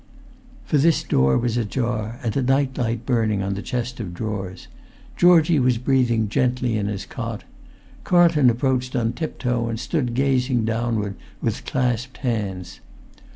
For this door was ajar, and a night light burning on the chest of drawers. Georgie was breathing gently in his cot. Carlton approached on tip toe, and stood gazing downward with clasped hands.